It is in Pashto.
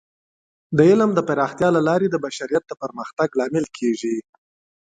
د علم د پراختیا له لارې د بشریت د پرمختګ لامل کیږي.